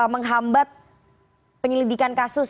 menghambat penyelidikan kasus